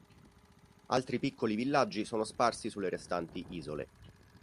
Altri piccoli villaggi sono sparsi sulle restanti isole.